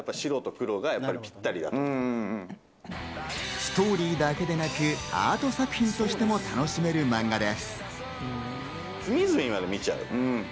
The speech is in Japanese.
ストーリーだけでなくアート作品としても楽しめるマンガです。